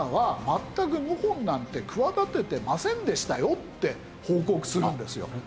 全く謀反なんて企ててませんでしたよ」って報告するんですよ。